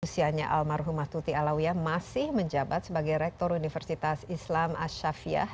usianya almarhumah tuti alawiya masih menjabat sebagai rektor universitas islam ash shafi'ah